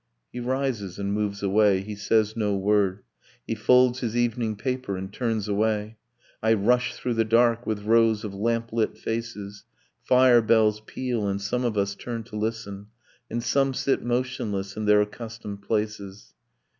' He rises and moves away, he says no word, He folds his evening paper and turns away; I rush through the dark with rows of lamplit faces; Fire bells peal, and some of us turn to listen, And some sit motionless in their accustomed places.